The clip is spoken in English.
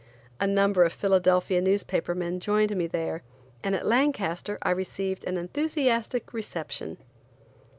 A number of Philadelphia newspaper men joined me there, and at Lancaster I received an enthusiastic reception.